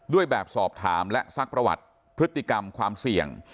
แบบสอบถามและซักประวัติพฤติกรรมความเสี่ยง